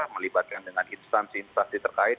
melibatkan dengan instansi instansi terkait